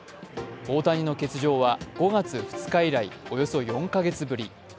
大谷の欠場は５月２日以来、およそ４か月ぶり。